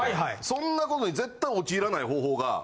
そんなことに絶対陥らない方法が。